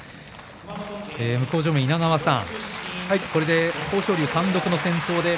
向正面、稲川さん豊昇龍、単独トップ先頭です。